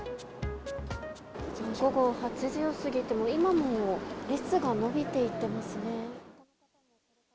午後８時を過ぎても今も列が延びていっていますね。